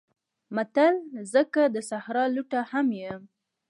متل: زه که د صحرا لوټه هم یم